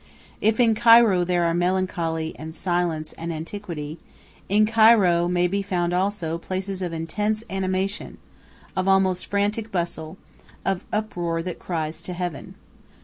If in Cairo there are melancholy, and silence, and antiquity, in Cairo may be found also places of intense animation, of almost frantic bustle, of uproar that cries to heaven.